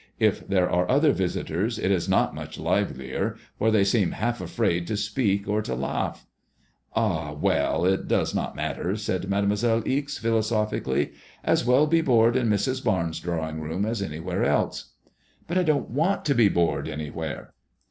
U there are other visitors it is not much livelier, for they seem half afraid to speak or to laagh." Ah 1 well, it does not matter/' said Mademoiselle Ixe, philosophically. As well be bored in Mrs. Barnes' drawing room as anywhere else." '* But I don't want to be bored anywhere."